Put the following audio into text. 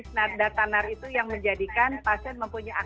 ya dengan nar karena basis data nar itu yang menjadikan pasien mempunyai akar